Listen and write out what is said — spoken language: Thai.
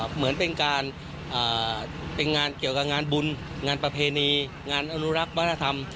เหมือนเป็นงานเกี่ยวกับงานฑุญงานประเพณีงานอนุรักษ์มารถัมน์